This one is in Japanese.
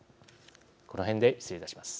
この辺で失礼いたします。